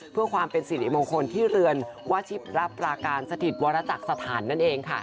เพื่อความเป็นสิริมงคลที่เรือนวาชิปรับราการสถิตวรจักรสถานนั่นเองค่ะ